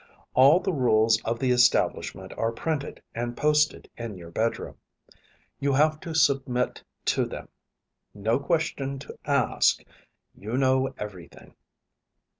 All the rules of the establishment are printed and posted in your bedroom; you have to submit to them. No question to ask you know everything.